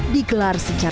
dikelar secara tatap tatap